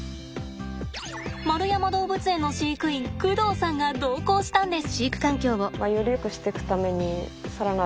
円山動物園の飼育員工藤さんが同行したんです。